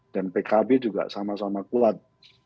dan pkb juga sama sama kuat